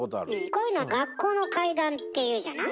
こういうの「学校の怪談」っていうじゃない？